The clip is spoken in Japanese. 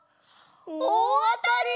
おおあたり！